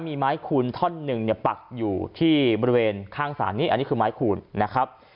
มีไม้คูณท่อนหนึ่งเนี่ยปักอยู่ที่บริเวณข้างศาลนี้อันนี้คือไม้คูณนะครับ